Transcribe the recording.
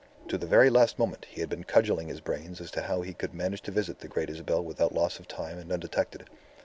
To the very last moment he had been cudgelling his brains as to how he could manage to visit the Great Isabel without loss of time and undetected.